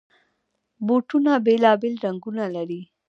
بوټونه بېلابېل رنګونه لري.